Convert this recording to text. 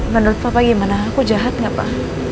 menurut papa gimana aku jahat gak pak